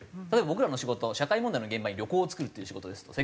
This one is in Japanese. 例えば僕らの仕事社会問題の現場に旅行を作るっていう仕事です。